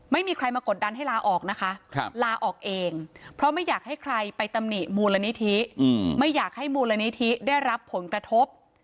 ไม่มีใครมากดดันให้ลาออกนะคะลาออกเองเพราะไม่อยากให้ใครไปตำหนิมูลนิธิไม่อยากให้มูลนิธิได้รับผลกระทบ